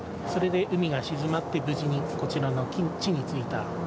それで海が静まって無事にこちらの地に着いた。